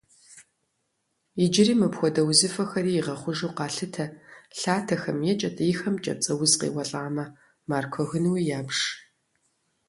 Иджыри мыпхуэдэ узыфэхэри игъэхъужу къалъытэ: лъатэхэм е кӏэтӏийхэм кӏапцӏэуз къеуэлӏамэ, маркуэ гынуи ябж.